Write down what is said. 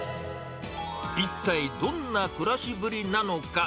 一体どんな暮らしぶりなのか。